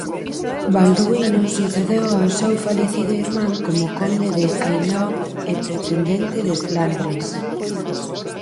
Balduíno sucedeu ao seu falecido irmán como Conde de Hainault e pretendente de Flandres.